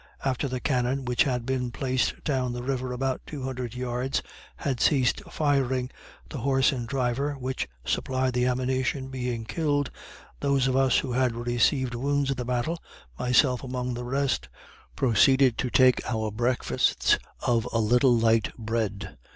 After the cannon, which had been placed down the river about two hundred yards, had ceased firing the horse and driver which supplied the ammunition being killed those of us who had received wounds in the battle (myself among the rest,) proceeded to take our breakfasts of a little light bread.